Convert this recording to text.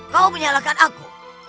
kau menyalahkan aku